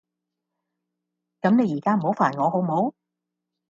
咁你依家唔好煩我好冇